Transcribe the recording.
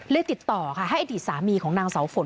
ติดต่อค่ะให้อดีตสามีของนางเสาฝน